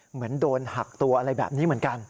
เหมือนโดนหักตัวอะไรแบบนี้เหมือนกัน